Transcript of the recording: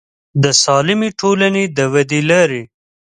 د سالمې ټولنې د ودې لارې